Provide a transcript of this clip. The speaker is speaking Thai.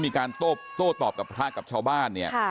มีการโต้ตอบกับพระภาคกับชาวบ้าน